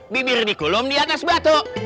bibir dikulom diatas batuk